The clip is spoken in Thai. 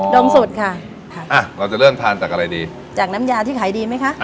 งสดค่ะค่ะอ่ะเราจะเริ่มทานจากอะไรดีจากน้ำยาที่ขายดีไหมคะ